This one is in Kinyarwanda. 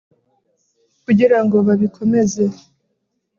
kugira ngo babikomeze